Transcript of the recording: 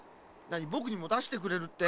ぼくにもだしてくれるって？